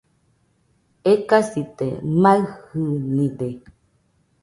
Ekasite, maɨjɨnide